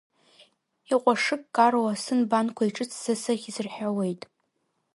Иҟәашыккароу асы нбанқәа иҿыцӡа сыхьӡ рҳәауеит.